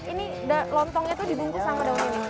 ini lontongnya itu dibungkus sama daun ini